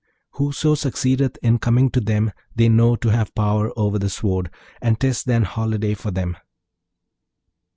Whoso succeedeth in coming to them they know to have power over the sword, and 'tis then holiday for them.